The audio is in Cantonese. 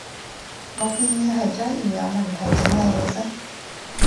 我建議係將現有問題整理起身